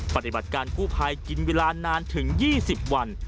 ปฏิบัติการกู้ภัยกินเวลานานถึง๒๐วัน